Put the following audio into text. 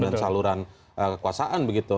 dan saluran kekuasaan begitu